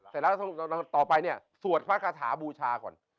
เสร็จแล้วต่อไปเนี่ยสวดพระคาถาบูชาก่อน